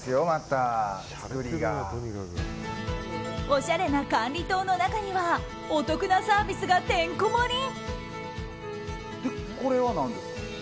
おしゃれな管理棟の中にはお得なサービスがてんこ盛り！